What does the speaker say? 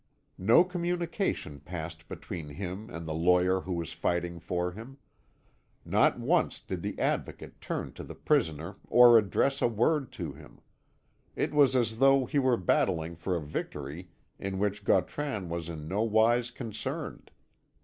No communication passed between him and the lawyer who was fighting for him; not once did the Advocate turn to the prisoner or address a word to him; it was as though he were battling for a victory in which Gautran was in no wise concerned.